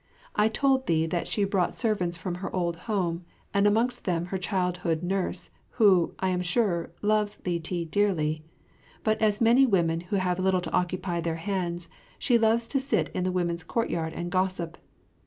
I told thee that she brought servants from her old home, and amongst them her childhood's nurse, who, I am sure, loves Li ti dearly; but, as many women who have little to occupy their hands, she loves to sit in the women's courtyard and gossip.